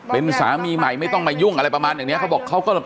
เป็นสามีใหม่ไม่ต้องมายุ่งอะไรประมาณอย่างเนี้ยเขาบอกเขาก็